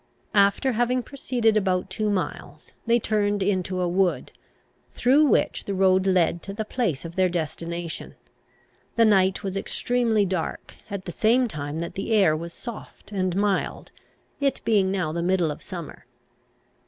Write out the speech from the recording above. After having proceeded about two miles, they turned into a wood, through which the road led to the place of their destination. The night was extremely dark, at the same time that the air was soft and mild, it being now the middle of summer.